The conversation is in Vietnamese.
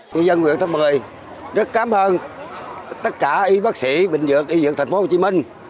người dân huyện tháp một mươi rất cảm ơn tất cả y bác sĩ bệnh viện y dược tp hcm